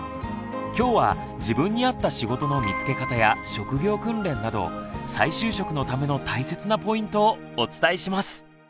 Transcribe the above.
きょうは自分に合った仕事の見つけ方や職業訓練など再就職のための大切なポイントをお伝えします。